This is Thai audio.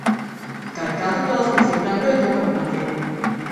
ไก่กาทุกตัวส่งเสียงดังด้วยตัวของมันเอง